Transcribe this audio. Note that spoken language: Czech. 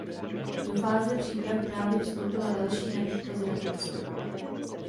Do fáze příprav právě vstoupila další nabídka z Rakouska.